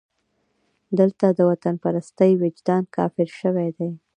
دلته د وطنپرستۍ وجدان کافر شوی دی.